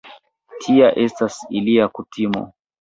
Tia estas ilia kutimo.